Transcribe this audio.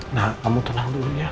nah kamu tenang dulu ya